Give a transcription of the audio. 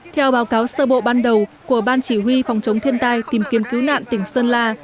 theo báo cáo sơ bộ ban đầu của ban chỉ huy phòng chống thiên tai tìm kiếm cứu nạn tỉnh sơn la